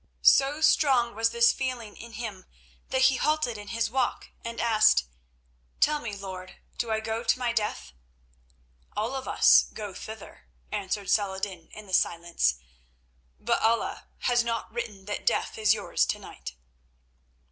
So strong was this feeling in him that he halted in his walk, and asked: "Tell me, lord, do I go to my death?" "All of us go thither," answered Saladin in the silence, "but Allah has not written that death is yours to night."